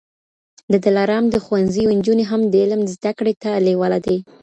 د دلارام د ښوونځیو نجوني هم د علم زده کړې ته لېواله دي